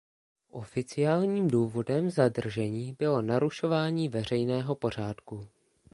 Oficiálním důvodem zadržení bylo narušování veřejného pořádku.